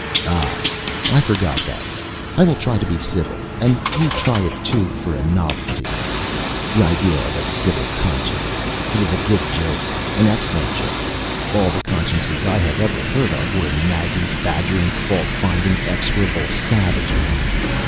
"Ah, I forgot that. I will try to be civil; and you try it, too, for a novelty. The idea of a civil conscience! It is a good joke; an excellent joke. All the consciences I have ever heard of were nagging, badgering, fault finding, execrable savages!